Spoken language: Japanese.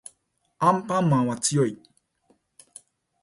アンパンマンは強い